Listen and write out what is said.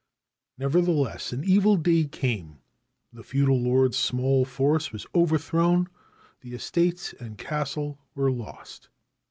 Nevertheless, an evil day came. The feudal lord's small force was overthrown ; the estates and castle were lost.